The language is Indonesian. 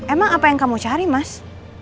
emang apa yang kamu cari mas